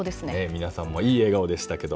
皆さんもいい笑顔でしたけど。